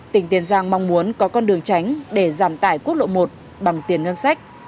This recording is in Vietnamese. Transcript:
tỉnh tiền giang mong muốn có con đường tránh để giảm tải quốc lộ một bằng tiền ngân sách